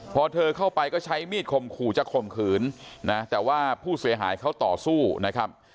พอเธอเข้าไปก็ใช้มีดข่มขู่จะข่มขืนนะแต่ว่าผู้เสียหายเขาต่อสู้นะครับ